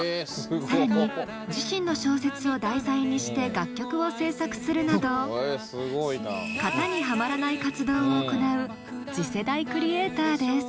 更に自身の小説を題材にして楽曲を制作するなど型にはまらない活動を行う次世代クリエイターです。